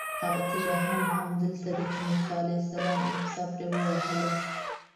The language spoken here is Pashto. هغه تېږه هم همدلته ده چې موسی علیه السلام امسا پرې ووهله.